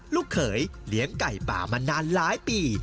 ลูกเขยเลี้ยงไก่ป่ามานานหลายปี